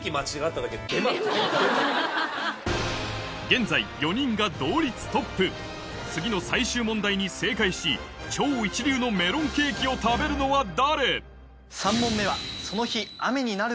現在４人が同率トップ次の最終問題に正解し超一流のメロンケーキを食べるのは誰？